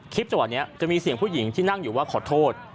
จังหวะนี้จะมีเสียงผู้หญิงที่นั่งอยู่ว่าขอโทษ